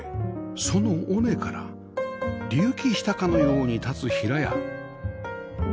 その尾根から隆起したかのように立つ平屋